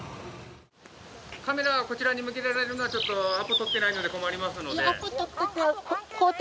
カメラはこちらに向けられるのは、アポ取ってないので困りますので。